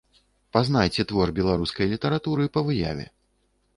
Пазнайце твор беларускай літаратуры па выяве.